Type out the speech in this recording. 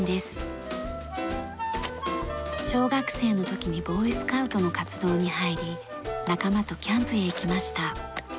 小学生の時にボーイスカウトの活動に入り仲間とキャンプへ行きました。